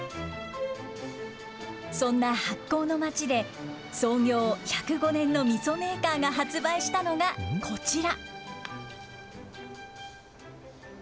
そんな発酵の町で、創業１０５年のみそメーカーが発売したのがこちら。